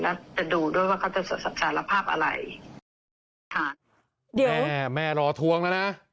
แล้วจะดูด้วยว่าเขาจะสารภาพอะไรค่ะเดี๋ยวแม่แม่รอทวงแล้วนะ